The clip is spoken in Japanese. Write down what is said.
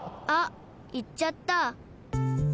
あっいっちゃった。